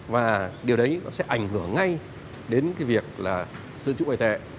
và điều đấy nó sẽ ảnh hưởng ngay đến cái việc là sử dụng ngoại tệ